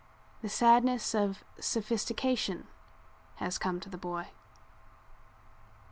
The sadness of sophistication has come to the boy.